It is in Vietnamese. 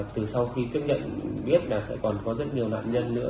từ sau khi tiếp nhận biết là sẽ còn có rất nhiều nạn nhân nữa